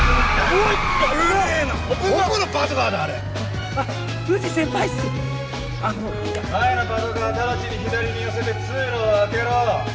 前のパトカーただちに左に寄せて通路を空けろ！